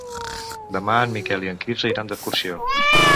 Demà en Miquel i en Quirze iran d'excursió.